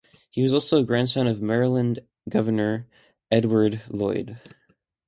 He was a grandson of Maryland Governor Edward Lloyd.